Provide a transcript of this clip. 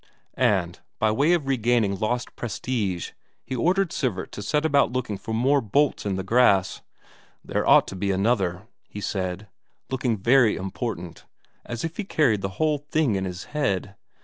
And, by way of regaining lost prestige, he ordered Sivert to set about looking for more bolts in the grass. "There ought to be another," he said, looking very important, as if he carried the whole thing in his head.